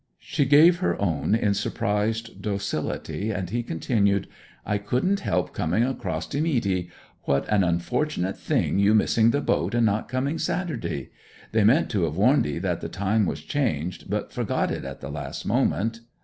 She gave her own in surprised docility, and he continued: 'I couldn't help coming across to meet 'ee. What an unfortunate thing you missing the boat and not coming Saturday! They meant to have warned 'ee that the time was changed, but forgot it at the last moment.